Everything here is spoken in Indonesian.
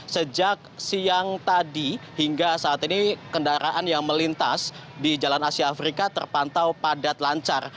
sejak siang tadi hingga saat ini kendaraan yang melintas di jalan asia afrika terpantau padat lancar